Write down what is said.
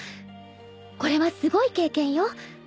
これはすごい経験よ。